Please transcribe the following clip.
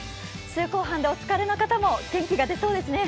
週後半でお疲れの方も元気が出そうですね。